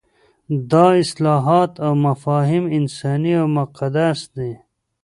دا اصطلاحات او مفاهیم انساني او مقدس دي.